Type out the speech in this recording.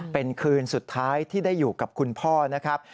เป็นคืนสุดท้ายที่ได้อยู่กับคุณพ่อนะครับ